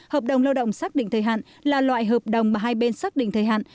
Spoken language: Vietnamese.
hợp đồng lao động xác định thời hạn là loại hợp đồng mà hai bên xác định thời hạn